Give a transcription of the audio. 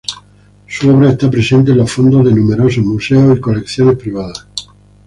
Su obra está presente en los fondos de numerosos museos y colecciones privadas.